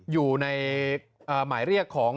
อยู่ในหมายเรียกของ